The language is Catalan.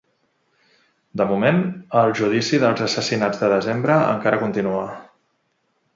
De moment, el judici dels assassinats de Desembre encara continua.